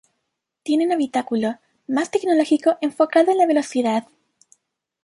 Tiene un habitáculo más tecnológico enfocado en la velocidad.